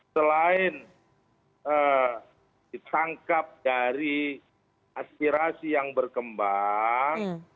selain ditangkap dari aspirasi yang berkembang